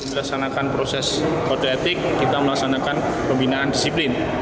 melaksanakan proses kode etik kita melaksanakan pembinaan disiplin